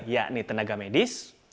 yakni tenaga medis